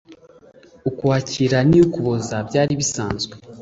ukwakira n iya ukuboza byari bisanzwe